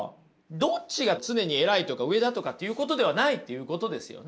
どっちが常に偉いとか上だとかっていうことではないっていうことですよね。